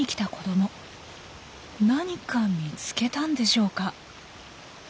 何か見つけたんでしょうか？